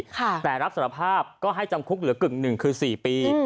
แต่รับสารภาพก็ให้จำคุกเหลือกึ่งหนึ่งคือ๔ปี